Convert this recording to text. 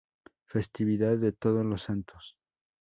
Festividad de todos los Santos.